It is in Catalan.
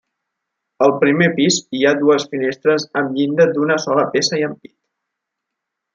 Al primer pis hi ha dues finestres amb llinda d'una sola peça i ampit.